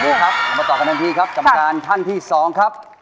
ดูครับเรามาต่อกันด้านที่ครับจังการท่านที่สองครับ